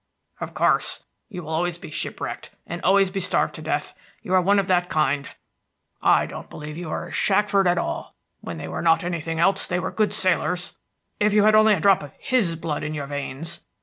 "Of course. You will always be shipwrecked, and always be starved to death; you are one of that kind. I don't believe you are a Shackford at all. When they were not anything else they were good sailors. If you only had a drop of his blood in your veins!"